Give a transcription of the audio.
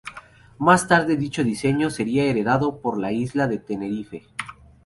Más tarde dicho diseño sería "heredado" por la isla de Tenerife.